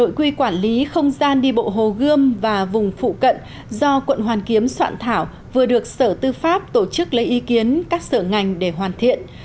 đội quy quản lý không gian đi bộ hồ gươm và vùng phụ cận do quận hoàn kiếm soạn thảo vừa được sở tư pháp tổ chức lấy ý kiến các sở ngành để hoàn thiện